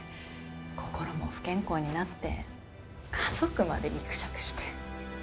心も不健康になって家族までギクシャクして。